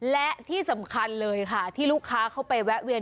และที่สำคัญเลยค่ะที่ลูกค้าเข้าไปแวะเวียน